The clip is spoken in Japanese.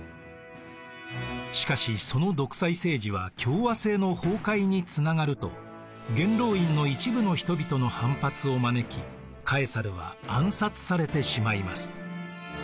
しかしその独裁政治は共和政の崩壊につながると元老院の一部の人々の反発を招きカエサルは暗殺されてしまいます。